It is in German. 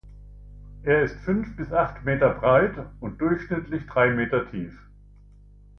Er ist fünf bis acht Meter breit und durchschnittlich drei Meter tief.